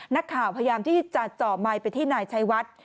นักข่าวพยายามที่จะเจาะไมค์ไปที่นายชัยวัด